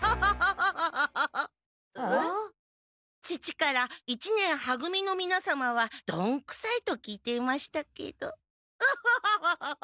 父から一年は組のみなさまはどんくさいと聞いていましたけどオホホホホホッ！